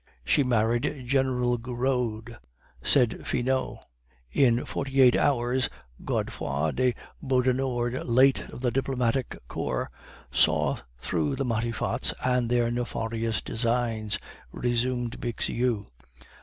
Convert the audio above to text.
"She married General Gouraud," said Finot. "In forty eight hours, Godefroid de Beaudenord, late of the diplomatic corps, saw through the Matifats and their nefarious designs," resumed Bixiou.